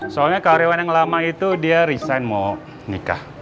soalnya karyawan yang lama itu dia resign mau nikah